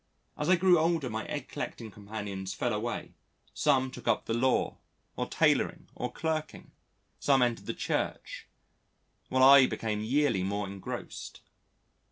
As I grew older my egg collecting companions fell away, some took up the law, or tailoring, or clerking, some entered the Church, while I became yearly more engrossed.